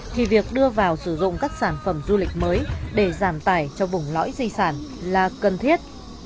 thì việc đưa vào sử dụng các sản phẩm du lịch mới để giảm tải cho vùng lõi di sản là cần thiết